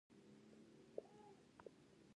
آیا پښتون خپله ځمکه نه پلوري؟